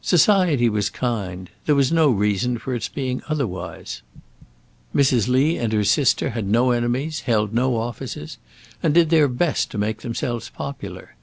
Society was kind; there was no reason for its being otherwise. Mrs. Lee and her sister had no enemies, held no offices, and did their best to make themselves popular.